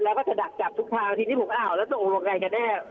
แล้วก็จะดักจับทุกทางทีนี้ผมอ้าวแล้วตรงไหนกันเนี่ย